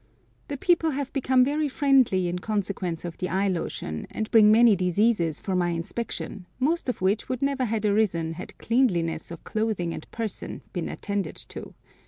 The people have become very friendly in consequence of the eye lotion, and bring many diseases for my inspection, most of which would never have arisen had cleanliness of clothing and person been attended to.